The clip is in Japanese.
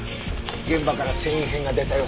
現場から繊維片が出たよ。